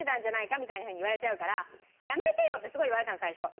みたいなふうに言われちゃうからやめてよ！」ってすごい言われたの最初。